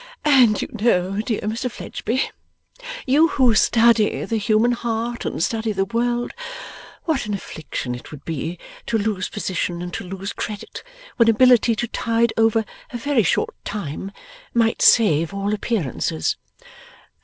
'And you know, dear Mr Fledgeby you who study the human heart, and study the world what an affliction it would be to lose position and to lose credit, when ability to tide over a very short time might save all appearances.